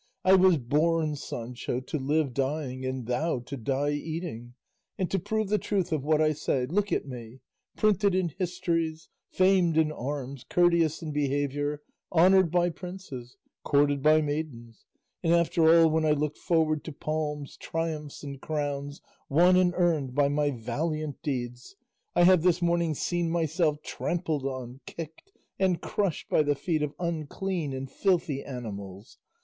I was born, Sancho, to live dying, and thou to die eating; and to prove the truth of what I say, look at me, printed in histories, famed in arms, courteous in behaviour, honoured by princes, courted by maidens; and after all, when I looked forward to palms, triumphs, and crowns, won and earned by my valiant deeds, I have this morning seen myself trampled on, kicked, and crushed by the feet of unclean and filthy animals.